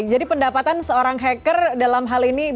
jadi pendapatan seorang hacker dalam hal ini